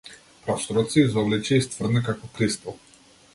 Просторот се изобличи и стврдна како кристал.